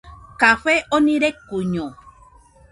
Café oni rekuiño